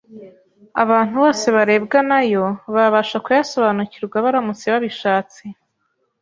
Abantu bose barebwa na yo babasha kuyasobanukirwa baramutse babishatse.